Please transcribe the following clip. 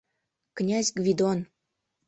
Князь Гвидон